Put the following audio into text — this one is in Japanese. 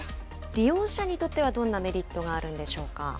利用者にとってはどんなメリットがあるんでしょうか。